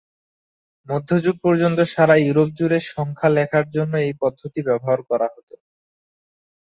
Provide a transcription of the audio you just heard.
মধ্যযুগ পর্যন্ত সারা ইউরোপ জুড়ে সংখ্যা লেখার জন্য এই পদ্ধতি ব্যবহার করা হত।